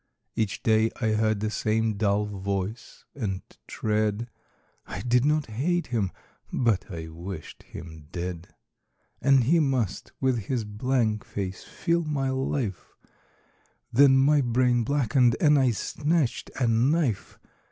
Each day I heard the same dull voice and tread; I did not hate him: but I wished him dead. And he must with his blank face fill my life Then my brain blackened; and I snatched a knife.